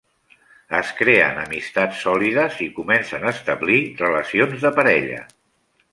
Es creen amistats sòlides i comencen a establir relacions de parella.